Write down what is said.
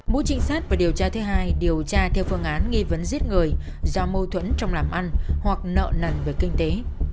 mũi trịnh sát và điều tra thứ hai điều tra theo phương án nghi vấn giết người do mâu thuẫn trong làm ăn hoặc nợ nần về kinh tế